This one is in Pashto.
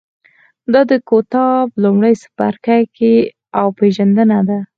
دا د کتاب لومړی څپرکی او پېژندنه ده.